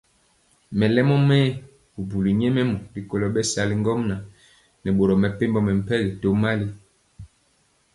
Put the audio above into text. Melemɔ mɛɛ bubuli nyɛmemɔ rikolo bɛsali ŋgomnaŋ nɛ boro mepempɔ mɛmpegi tomali.